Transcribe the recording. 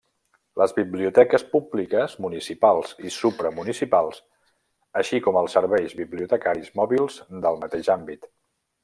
Les biblioteques públiques municipals i supramunicipals, així com els serveis bibliotecaris mòbils del mateix àmbit.